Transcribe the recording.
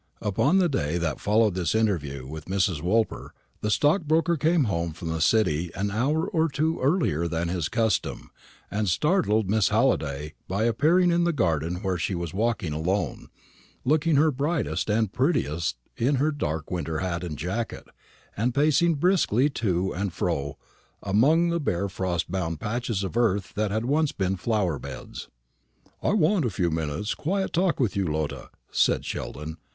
Upon the day that followed his interview with Mrs. Woolper, the stockbroker came home from the City an hour or two earlier than his custom, and startled Miss Halliday by appearing in the garden where she was walking alone, looking her brightest and prettiest in her dark winter hat and jacket, and pacing briskly to and fro among the bare frost bound patches of earth that had once been flower beds. "I wan't a few minutes' quiet talk with you, Lotta," said Mr. Sheldon.